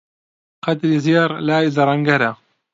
قەدری زێڕ لای زەڕەنگەرە